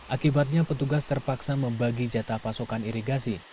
akibatnya petugas terpaksa membagi jatah pasokan irigasi